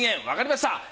わかりました。